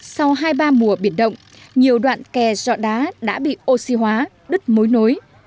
sau hai ba mùa biển động nhiều đoạn kè dọ đá đã bị oxy hóa đứt mối nối